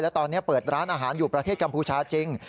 และตอนนี้เปิดร้านอาหารอยู่ประเทศกัมพูชาจริง